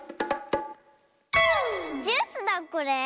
ジュースだこれ。